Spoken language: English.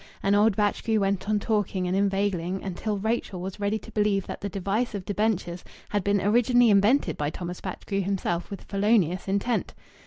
And old Batchgrew went on talking and inveigling until Rachel was ready to believe that the device of debentures had been originally invented by Thomas Batchgrew himself with felonious intent.